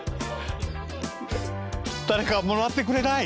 誰かもらってくれない？